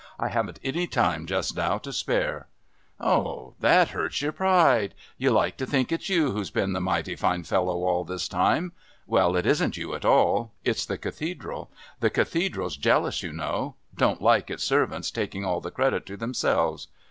"I haven't any time just now to spare." "Ah, that hurts your pride. You like to think it's you who's been the mighty fine fellow all this time. Well, it isn't you at all. It's the Cathedral. The Cathedral's jealous, you know don't like its servants taking all the credit to themselves.